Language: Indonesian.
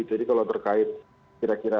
jadi kalau terkait kira kira